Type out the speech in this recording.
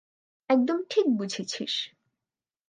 একদম ঠিক বুঝেছিস।